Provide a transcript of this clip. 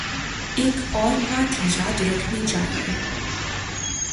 ایک اور بات یاد رکھنی چاہیے۔